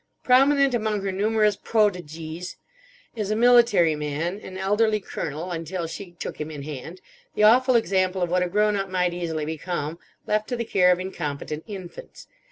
Prominent among her numerous protégées is a military man, an elderly colonel; until she took him in hand, the awful example of what a grown up might easily become, left to the care of incompetent infants.